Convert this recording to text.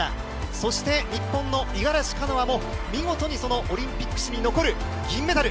そして、日本の五十嵐カノアも見事にそのオリンピック史に残る銀メダル。